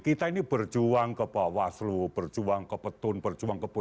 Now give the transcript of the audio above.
kita ini berjuang ke bawah seluruh berjuang ke petun berjuang ke bawah